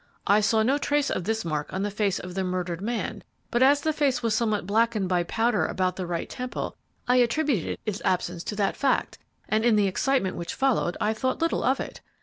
I saw no trace of this mark on the face of the murdered man; but as the face was somewhat blackened by powder about the right temple, I attributed its absence to that fact, and in the excitement which followed I thought little of it.